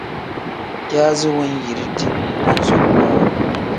Yaazi wanyiridi manzulumuu-ro.